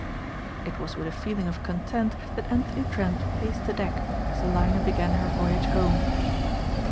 It was with a feeling of content that Anthony Trent paced the deck as the liner began her voyage home.